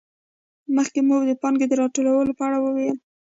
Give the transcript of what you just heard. مخکې مو د پانګې د راټولېدو په اړه وویل